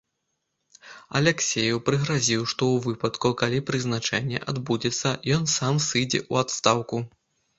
Аляксееў прыгразіў, што ў выпадку, калі прызначэнне адбудзецца, ён сам сыдзе ў адстаўку.